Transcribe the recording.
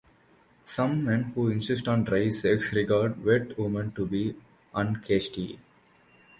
Some men who insist on dry sex regard "wet" women to be unchaste.